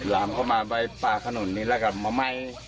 ลามเข้ามาไว้ปากถนนนี้แล้วก็มาไหม้